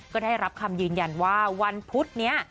ก็ได้รับคำยืนยันว่าวันพุธนี้